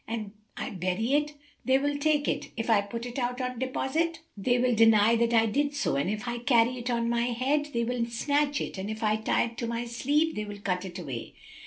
An I bury it, they will take it, and if I put it out on deposit, they will deny that I did so, and if I carry it on my head,[FN#278] they will snatch it, and if I tie it to my sleeve, they will cut it away."